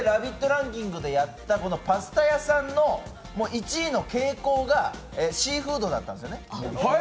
ランキングでやった、パスタ屋さんの１位の傾向がシーフードだったんですね。